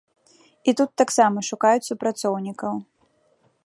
І тут таксама шукаюць супрацоўнікаў.